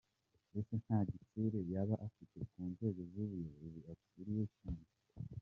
Ese nta gitsure yaba afite ku nzego z’ubuyobozi akuriye cyangwa.